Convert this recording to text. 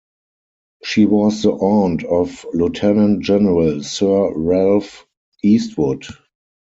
She was the aunt of Lieutenant General Sir Ralph Eastwood.